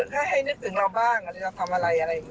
แค่ให้นึกถึงเราบ้างว่าจะทำอะไร